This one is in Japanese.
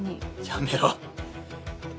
やめろ。